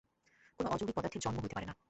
কোন অযৌগিক পদার্থেরই জন্ম হইতে পারে না।